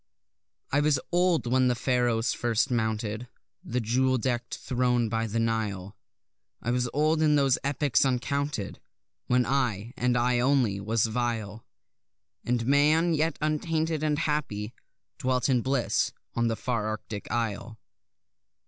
I was old when the Pharaohs first mounted The jewel deck'd throne by the Nile; I was old in those epochs uncounted When I, and I only, was vile; And Man, yet untainted and happy, dwelt in bliss on the far Arctic isle.